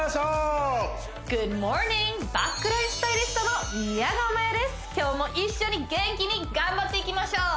バックラインスタイリストの宮河マヤです今日も一緒に元気に頑張っていきましょう！